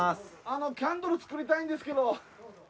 あのキャンドル作りたいんですけど。